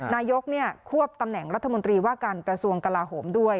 นายกควบตำแหน่งรัฐมนตรีว่าการกระทรวงกลาโหมด้วย